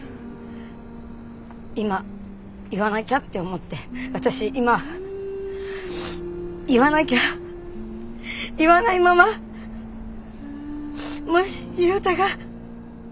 今言わなきゃって思って私今言わなきゃ言わないままもし雄太がって思って。